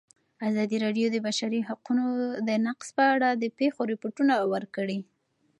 ازادي راډیو د د بشري حقونو نقض په اړه د پېښو رپوټونه ورکړي.